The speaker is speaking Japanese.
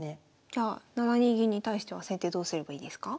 じゃあ７二銀に対しては先手どうすればいいですか？